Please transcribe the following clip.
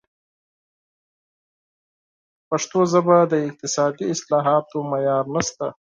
په پښتو ژبه د اقتصادي اصطلاحاتو معیار نشته.